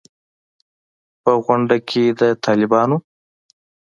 په غونډه کې د طالبانو